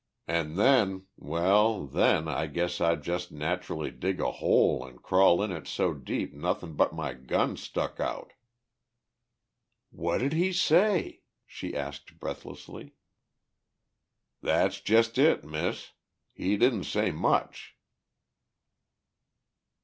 An' then ... well, then, I guess I'd jest naturally dig a hole an' crawl in it so deep nothin' but my gun stuck out!" "What did he say?" she asked breathlessly. "That's jest it, Miss. He didn't say much!"